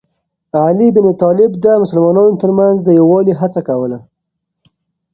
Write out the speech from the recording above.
علي بن ابي طالب د مسلمانانو ترمنځ د یووالي هڅه کوله.